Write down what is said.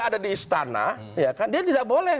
ada di istana dia tidak boleh